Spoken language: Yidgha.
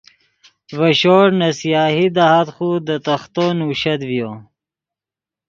ڤے شوڑ نے سیاہی دہات خو دے تختو نوشت ڤیو